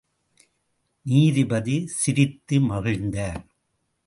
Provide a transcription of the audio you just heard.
நீதிபதி சிரித்து மகிழ்ந்தார்.